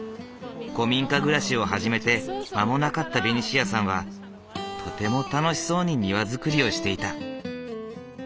古民家暮らしを始めて間もなかったベニシアさんはとても楽しそうに庭造りをしていた。